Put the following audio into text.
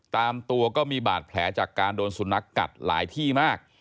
ตามตัวก็มีบาดแผลจากการโดนสุนัขกัดหลายที่มาก